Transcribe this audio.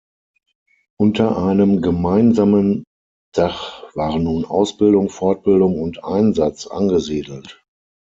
Unter einem gemeinsamen Dach waren nun Ausbildung, Fortbildung und Einsatz angesiedelt.